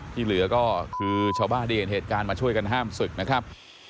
ที่เหลือก็คือชาวบ้านที่เห็นเหตุการณ์มาช่วยกันห้ามศึกนะครับ